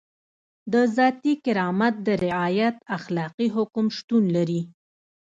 د ذاتي کرامت د رعایت اخلاقي حکم شتون لري.